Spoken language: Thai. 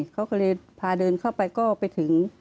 เขาก็เลยพาเดินเข้าไปก็ไปถึง